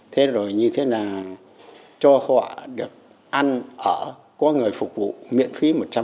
thế rồi như thế là cho họ được ăn ở có người phục vụ miễn phí một trăm linh